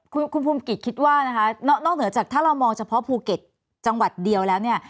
คุณภูมิกิจคิดว่านะคะนอกเหนือจากถ้าเรามองเฉพาะภูเก็ตจังหวัดเดียวแล้วเนี่ย